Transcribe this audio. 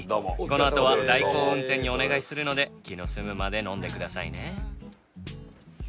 このあとは代行運転にお願いするので気の済むまで飲んでくださいね。